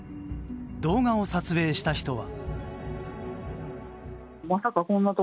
動画を撮影した人は。